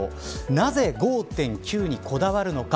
なぜ５．９にこだわるのか。